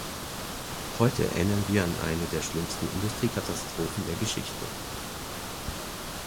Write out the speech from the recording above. Heute erinnern wir an eine der schlimmsten Industriekatastrophen der Geschichte.